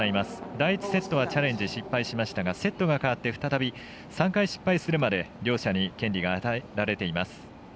第１セットはチャレンジ失敗しましたがセットが変わって再び３回失敗するまで両者に権利が与えられています。